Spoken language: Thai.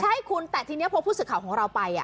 ใช่คุณแต่ทีนี้พอผู้สื่อข่าวของเราไป